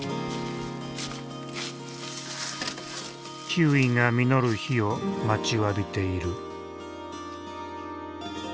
キウイが実る日を待ちわびている。